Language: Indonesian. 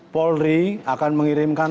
polri akan mengirimkan